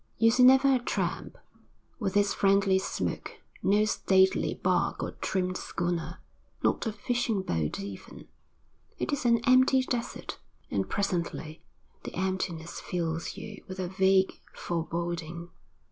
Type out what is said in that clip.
You see never a tramp, with its friendly smoke, no stately bark or trim schooner, not a fishing boat even: it is an empty desert; and presently the emptiness fills you with a vague foreboding.